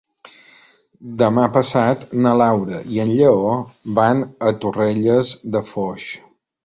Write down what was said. Demà passat na Laura i en Lleó van a Torrelles de Foix.